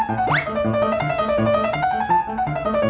โอ้โหโอ้โหโอ้โหโอ้โห